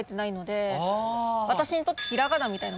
私にとって。